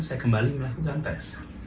saya kembali melakukan tes